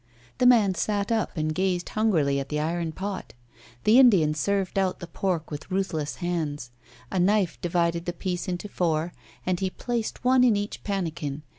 The man sat up and gazed hungrily at the iron pot. The Indian served out the pork with ruthless hands. A knife divided the piece into four, and he placed one in each pannikin.